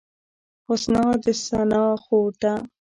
حسنا د ثنا خور ده